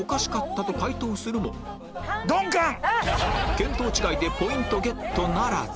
見当違いでポイントゲットならず